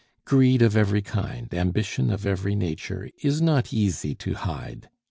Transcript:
Greed of every kind, ambition of every nature, is not easy to hide.